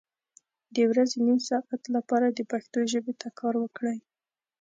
د ورځې نیم ساعت لپاره د پښتو ژبې ته کار وکړئ